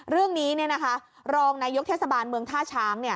เรื่องนี้รองนายกเทศบาลเมืองท่าช้าง